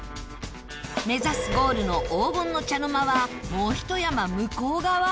目指すゴールの黄金の茶の間はもうひと山向こう側